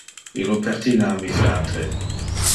Illo pertine a mi fratre.